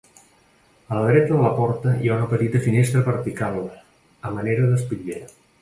A la dreta de la porta hi ha una petita finestra vertical, a manera d'espitllera.